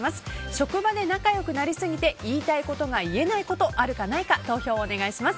職場で仲良くなりすぎて言いたいことが言えないことあるかないか投票をお願いします。